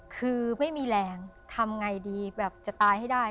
คือไม่มีแรงทำไงดีแบบจะตายให้ได้